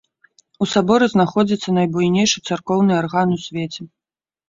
У саборы знаходзіцца найбуйнейшы царкоўны арган у свеце.